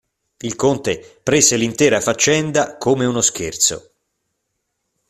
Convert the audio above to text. Il conte prese l'intera faccenda come uno scherzo.